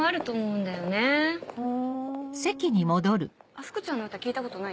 福ちゃんの歌聴いたことない？